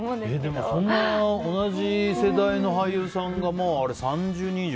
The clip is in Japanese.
でも、同じ世代の俳優さんが３０人以上？